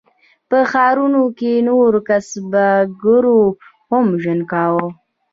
په ښارونو کې نورو کسبګرو هم ژوند کاوه.